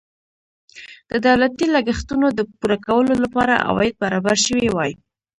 د دولتي لګښتونو د پوره کولو لپاره عواید برابر شوي وای.